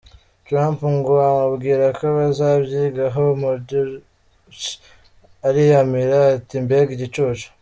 Trump ngo amubwira ko bazabyigaho, Murdoch ariyamira ati ‘Mbega igicucu’.